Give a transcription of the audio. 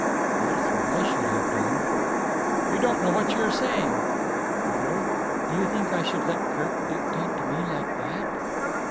"That is what I should have done." "You don't know what you are saying." "Oh? Do you think I should let Kirk dictate to me like that?"